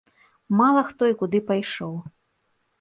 Мала хто і куды пайшоў!